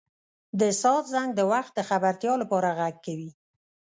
• د ساعت زنګ د وخت د خبرتیا لپاره ږغ کوي.